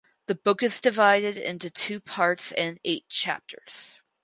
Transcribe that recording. The book is divided into two parts and eight chapters.